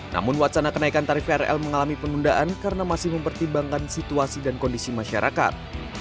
namun wacana kenaikan tarif krl mengalami penundaan karena masih mempertimbangkan situasi dan kondisi masyarakat